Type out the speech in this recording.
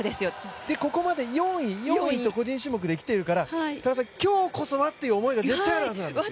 ここまで４位、４位と個人種目できてるから今日こそはっていう思いが絶対にあるはずなんですよ。